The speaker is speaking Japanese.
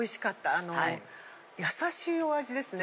あの優しいお味ですね。